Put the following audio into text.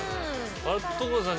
所さん